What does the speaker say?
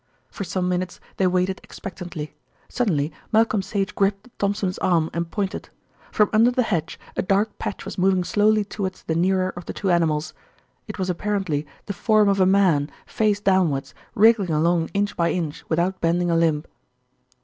For some minutes they waited expectantly. Suddenly Malcolm Sage gripped Thompson's arm and pointed. From under the hedge a dark patch was moving slowely towards the nearer of the two animals. It was apparently the form of a man, face downward, wriggling along inch by inch without bending a limb.